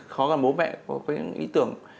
còn bố mẹ cũng có những ý tưởng